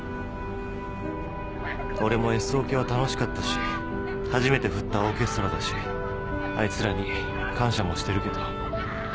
俺もＳオケは楽しかったし初めて振ったオーケストラだしあいつらに感謝もしてるけど。